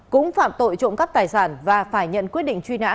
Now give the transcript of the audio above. cũng phạm tội trộm cắp tài sản và phải nhận quyết định truy nã